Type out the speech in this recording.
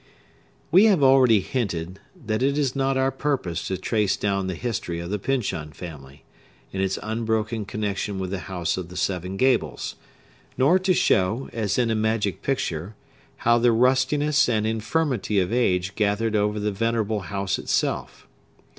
We have already hinted that it is not our purpose to trace down the history of the Pyncheon family, in its unbroken connection with the House of the Seven Gables; nor to show, as in a magic picture, how the rustiness and infirmity of age gathered over the venerable house itself.